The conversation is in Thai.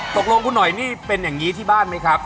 ตกลงคุณหน่อยนี่เป็นอย่างนี้ที่บ้านไหมครับ